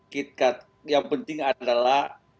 kita yang penting adalah